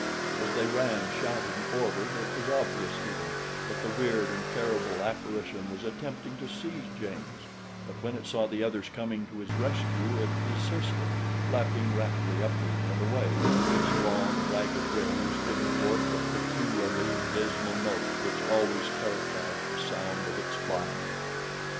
As they ran, shouting, forward, it was obvious to them that the weird and terrible apparition was attempting to seize James; but when it saw the others coming to his rescue, it desisted, flapping rapidly upward and away, its long, ragged wings giving forth the peculiarly dismal notes which always characterized the sound of its flying.